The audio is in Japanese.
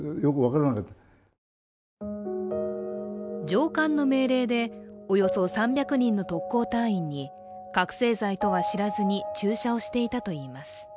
上官の命令で、およそ３００人の特攻隊員に覚醒剤とは知らずに注射をしていたといいます